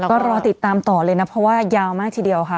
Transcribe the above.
ก็รอติดตามต่อเลยนะเพราะว่ายาวมากทีเดียวค่ะ